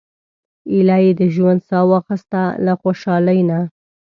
ایله یې د ژوند سا واخیسته له خوشالۍ نه.